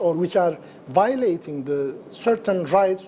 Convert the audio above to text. atau yang memusnahkan hak hak